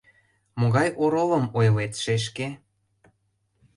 Могай оролым ойлет, шешке?